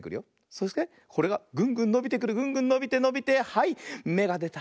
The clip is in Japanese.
そしてこれがグングンのびてくるグングンのびてのびてはいめがでた！